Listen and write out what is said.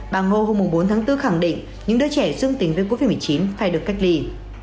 bà ngô hôm bốn tháng bốn khẳng định những đứa trẻ xương tính với covid một mươi chín phải được cách ly